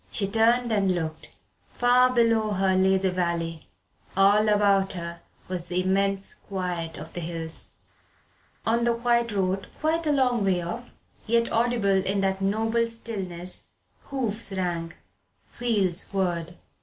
She turned and looked. Far below her lay the valley all about her was the immense quiet of the hills. On the white road, quite a long way off, yet audible in that noble stillness, hoofs rang, wheels whirred.